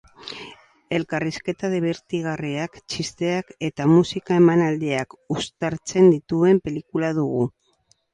Elkarrizketa dibertigarriak, txisteak eta musika emanaldiak uztartzen dituen pelikula dugu.